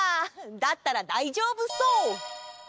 だったらだいじょうぶそう！